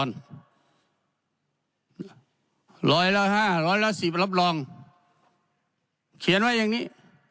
ร้อยละ๕ร้อยละสิบรับรองเขียนไว้อย่างนี้